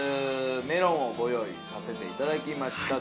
メロンをご用意させていただきました